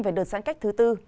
về đợt giãn cách thứ bốn